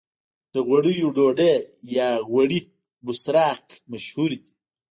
د غوړیو ډوډۍ یا غوړي بسراق مشهور دي.